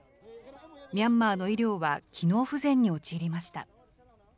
ミャンマーの医療は機能不全に陥りました。